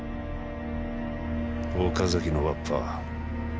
岡崎のわっぱ。